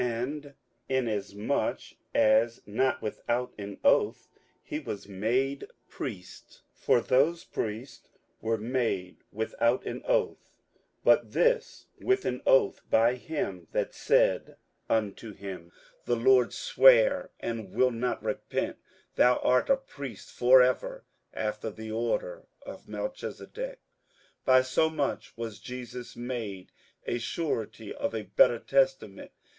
58:007:020 And inasmuch as not without an oath he was made priest: 58:007:021 (For those priests were made without an oath; but this with an oath by him that said unto him, The Lord sware and will not repent, Thou art a priest for ever after the order of Melchisedec:) 58:007:022 By so much was Jesus made a surety of a better testament.